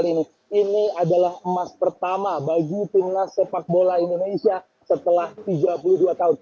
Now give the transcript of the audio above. ini adalah emas pertama bagi timnas sepak bola indonesia setelah tiga puluh dua tahun